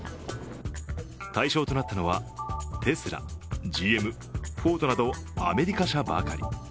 対象となったのはテスラ、ＧＭ、フォードなどアメリカ車ばかり。